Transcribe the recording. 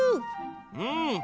うん。